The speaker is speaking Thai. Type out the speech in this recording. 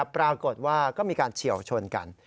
ปรากฏว่าก็มีการเฉียวชนกัน